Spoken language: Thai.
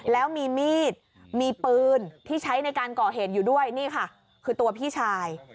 แล้วมีมีดมีปืนที่ใช้ในการก่อเหตุอยู่ด้วยนี่ค่ะคือตัวพี่ชาย